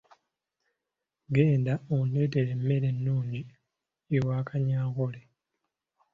Genda ondeetere emmere ennungi ewa Kanyankole.